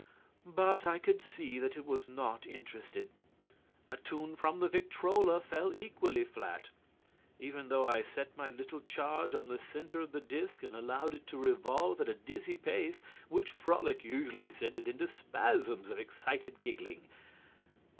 But I could see that it was not interested. A tune from the victrola fell equally flat, even though I set my little charge on the center of the disc and allowed it to revolve at a dizzy pace, which frolic usually sent it into spasms of excited giggling.